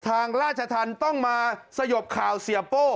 ทางราชทันต้องมาสยบข่าวเสียโป้